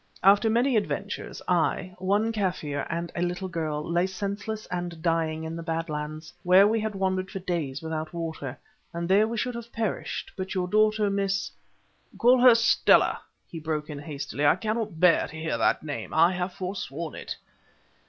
After many adventures, I, one Kaffir, and a little girl, lay senseless and dying in the Bad Lands, where we had wandered for days without water, and there we should have perished, but your daughter, Miss——" "Call her Stella," he broke in, hastily. "I cannot bear to hear that name. I have forsworn it."